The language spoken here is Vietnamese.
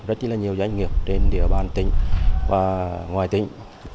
rất là nhiều doanh nghiệp trên địa bàn tỉnh và ngoài tỉnh